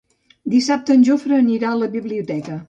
Dissabte en Jofre anirà a la biblioteca.